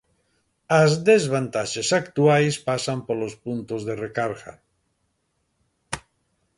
As desvantaxes actuais pasan polos puntos de recarga.